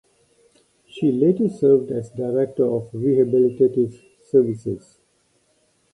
She later served as Director of Rehabilitative Services.